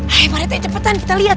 hayuk parete cepetan kita liat